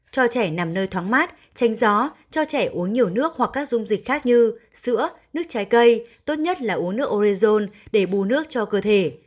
cho trẻ nằm nơi thoáng mát tranh gió cho trẻ uống nhiều nước hoặc các dung dịch khác như sữa nước trái cây tốt nhất là uống nước orezone để bù nước cho cơ thể